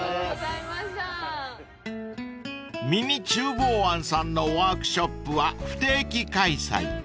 ［ミニ厨房庵さんのワークショップは不定期開催］